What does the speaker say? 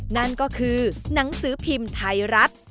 นั่นก็คือหนังสือพิมพ์ไทยรัฐ